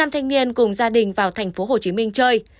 năm thanh niên cùng gia đình vào tp hcm chơi